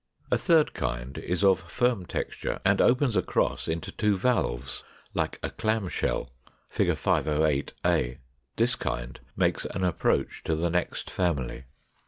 A third kind is of firm texture and opens across into two valves, like a clam shell (Fig. 508a): this kind makes an approach to the next family.